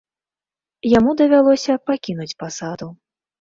Яму давялося пакінуць пасаду.